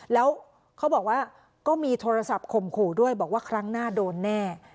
แล้วเขาบอกว่าก็มีโทรศัพท์ข่มขู่ด้วยบอกว่าครั้งหน้าโดนแน่